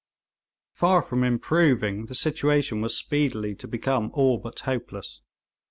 Far from improving, the situation was speedily to become all but hopeless.